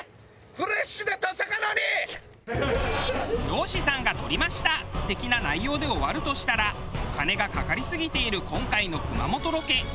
漁師さんが獲りました的な内容で終わるとしたらお金がかかりすぎている今回の熊本ロケ。